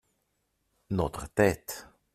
notre tête.